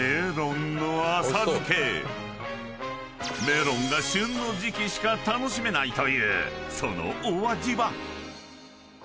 ［メロンが旬の時期しか楽しめないという］